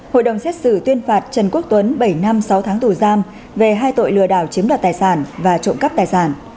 hội đồng xét xử tuyên phạt trần quốc tuấn bảy năm sáu tháng tù giam về hai tội lừa đảo chiếm đoạt tài sản và trộm cắp tài sản